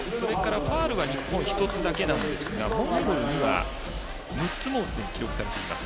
ファウルは日本は１つだけですがモンゴルには６つもうすでに記録されています。